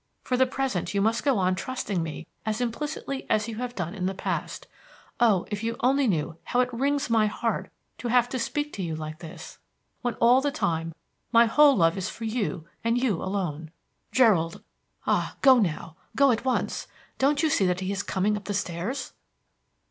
For the present you must go on trusting me as implicitly as you have done in the past. Oh, if you only knew how it wrings my heart to have to speak to you like this, when all the time my whole love is for you and you alone. Gerald ah, go now; go at once. Don't you see that he is coming up the stairs?"